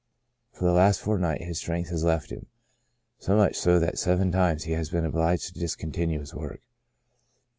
For the last fortnight his strength has left him, so much so that several times he has been obliged to dis continue his work.